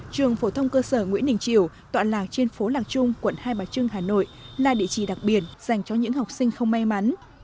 trường phổ thông cơ sở nguyễn đình triều tọa lạc trên phố lạc trung quận hai bà trưng hà nội là địa chỉ đặc biệt dành cho những học sinh không may mắn